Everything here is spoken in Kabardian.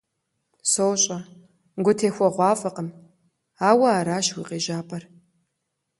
СощӀэ, гутехуэгъуафӀэкъым, ауэ аращ уи къежьапӀэр.